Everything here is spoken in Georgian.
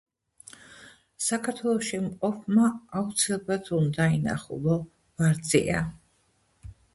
საქართველოში მყოფმა აუცილებლად უნდა ინახულო ვარძია.